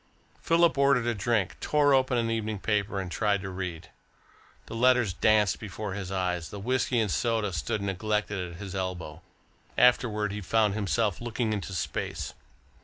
Philip ordered a drink, tore open an evening paper, and tried to read. The letters danced before his eyes, the whisky and soda stood neglected at his elbow. Afterwards he found himself looking into space.